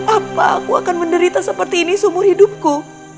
apa aku akan menderita seperti ini seumur hidupku